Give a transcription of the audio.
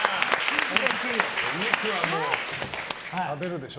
お肉はもう食べるでしょ？